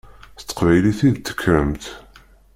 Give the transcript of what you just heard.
S teqbaylit i d-tekkremt.